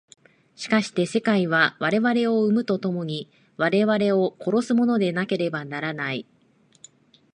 しかして世界は我々を生むと共に我々を殺すものでなければならない。